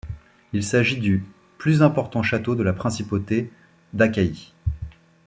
Il s'agit du plus important château de la principauté d'Achaïe.